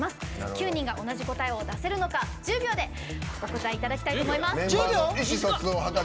９人が同じ答えを出せるのか１０秒でお答えいただきたいと思います。